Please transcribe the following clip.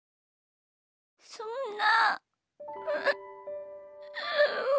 そんな。